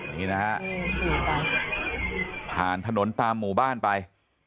นี่นะฮะผ่านถนนตามหมู่บ้านไป